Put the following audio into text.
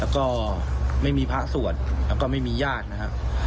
และก็ไม่มีภาคสวรและก็ไม่มีญาตินะฮะ